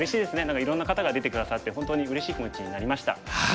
何かいろんな方が出て下さって本当にうれしい気持ちになりました。